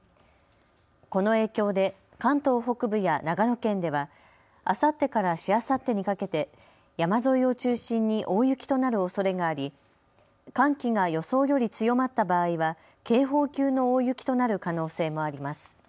この影響で関東北部や長野県ではあさってからしあさってにかけて山沿いを中心に大雪となるおそれがあり寒気が予想より強まった場合は警報級の大雪となる可能性もあります。